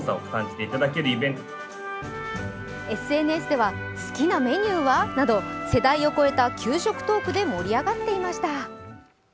ＳＮＳでは好きなメニューは？など、世代を超えた給食トークで盛り上がっていました。